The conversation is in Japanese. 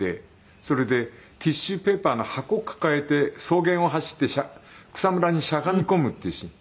それでティッシュペーパーの箱を抱えて草原を走って草むらにしゃがみ込むっていうシーン。